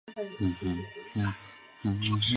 萨伏伊王朝第六任国王。